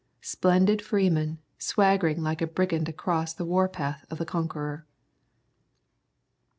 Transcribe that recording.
Splendid freeman, swaggering like a brigand across the war paths of the conqueror!